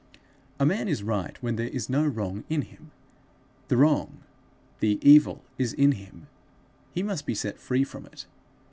A man is right when there is no wrong in him. The wrong, the evil is in him; he must be set free from it.